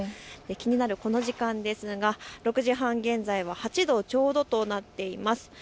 気になるこの時間ですが６時半現在も８度ちょうどとなっています。